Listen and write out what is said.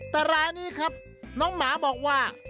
แต่ร้านนี้ครับน้องหมาบอกว่า